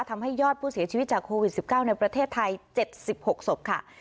ทำให้ยอดผู้เสียชีวิตจากโควิดสิบเก้าในประเทศไทยเจ็ดสิบหกศพค่ะ